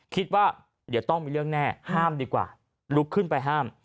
คิดว่าเดี๋ยวต้องมีเรื่องแน่ห้ามดีกว่าลุกขึ้นไปห้าม